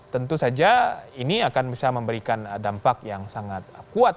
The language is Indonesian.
tentu saja ini akan bisa memberikan dampak yang sangat kuat